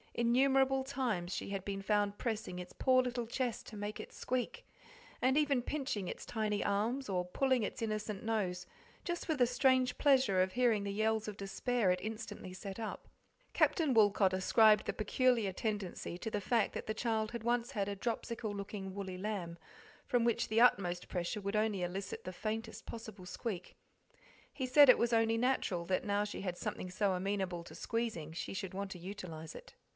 Innumerable times she had been found pressing its poor little chest to make it "squeak;" and even pinching its tiny arms, or pulling its innocent nose, just for the strange pleasure of hearing the yells of despair it instantly set up. Captain Woolcot ascribed the peculiar tendency to the fact that the child had once had a dropsical looking woolly lamb, from which the utmost pressure would only elicit the faintest possible squeak: he said it was only natural that now she had something so amenable to squeezing she should want to utilize it.